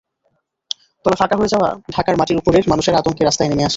তলা ফাঁকা হয়ে যাওয়া ঢাকার মাটির ওপরের মানুষেরা আতঙ্কে রাস্তায় নেমে আসে।